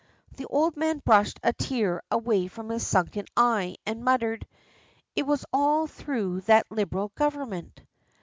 The old man brushed a tear away from his sunken eye, and muttered "It was all through that Liberal Government!"